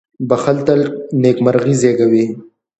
• بښل تل نېکمرغي زېږوي.